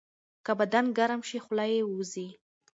که بدن ګرم شي، خوله یې وځي.